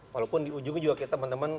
walaupun di ujungnya juga kita teman teman